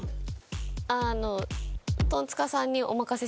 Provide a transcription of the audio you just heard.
あの。